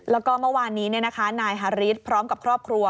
แล้วก็เมื่อวานนี้นายฮาริสพร้อมกับครอบครัว